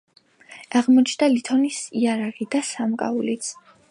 აღმოჩნდა ლითონის იარაღი და სამკაულიც.